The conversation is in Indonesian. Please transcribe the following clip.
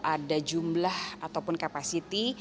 ada jumlah ataupun kapasiti